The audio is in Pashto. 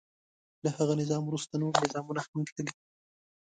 له هغه نظام وروسته نور نظامونه هم تللي.